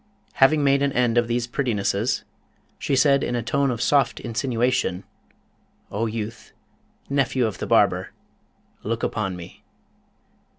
Having made an end of these prettinesses, she said, in a tone of soft insinuation, 'O youth, nephew of the barber, look upon me.'